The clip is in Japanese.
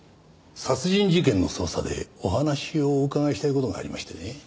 殺人事件の捜査でお話をお伺いしたい事がありましてね。